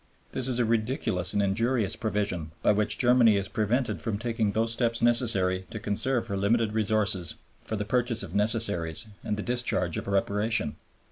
This is a ridiculous and injurious provision, by which Germany is prevented from taking those steps necessary to conserve her limited resources for the purchase of necessaries and the discharge of Reparation.